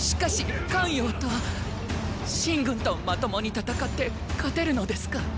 しかし咸陽と秦軍とまともに戦って勝てるのですか。